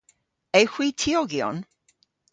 Ewgh hwi tiogyon?